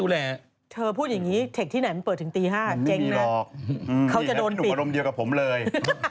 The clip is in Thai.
เลี่ยงแนวแข็งหนูกระโดมเดียวกับผมเลย